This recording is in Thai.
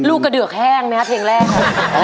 ลูกกระเดือกแห้งไหมฮะเพลงแรก